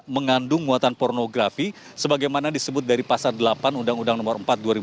mengandung muatan pornografi sebagaimana disebut dari pasal delapan undang undang nomor empat dua ribu empat